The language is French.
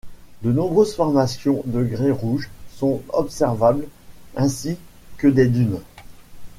De nombreuses formations de grès rouge sont observables ainsi que des dunes.